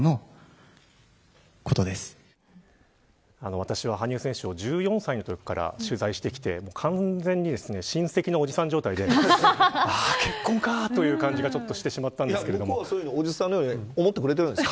私は羽生選手を１４歳のときから取材してきて完全に親戚のおじさん状態でああ結婚かあ、という感じが向こうはおじさんのように思ってくれているんですか。